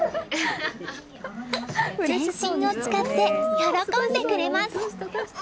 全身を使って喜んでくれます！